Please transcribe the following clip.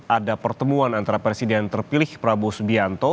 ada pertemuan antara presiden terpilih prabowo subianto